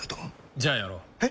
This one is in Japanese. じゃあやろう。え？